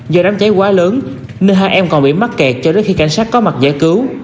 do đám cháy quá lớn nên hai em còn bị mắc kẹt cho đến khi cảnh sát có mặt giải cứu